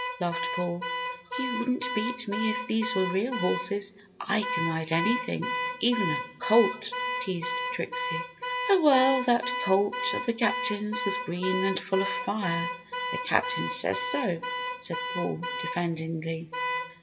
laughed Paul. "You wouldn't beat me if these were real horses! I can ride anything even a colt!" teased Trixie. "Oh, well, that colt of the Captain's was green and full of fire the Captain says so!" said Paul, defendingly.